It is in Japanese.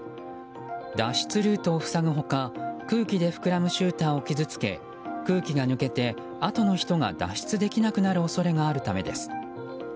脱出ルートを塞ぐほか空気で膨らむシューターを傷つけ空気が抜けてあとの人が脱出できなくなる恐れがあるためです。